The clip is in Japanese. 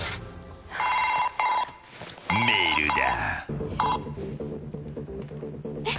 メールだ。